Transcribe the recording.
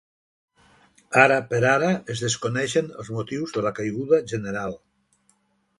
Ara per ara es desconeixen els motius de la caiguda general.